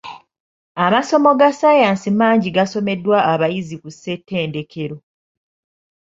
Amasomo ga ssaayansi mangi gasomeddwa abayizi ku ssetendekero.